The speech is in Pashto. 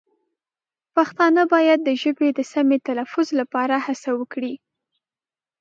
پښتانه باید د ژبې د سمې تلفظ لپاره هڅه وکړي.